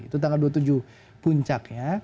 itu tanggal dua puluh tujuh puncak ya